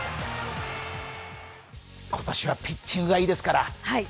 今年はピッチングがいいですから。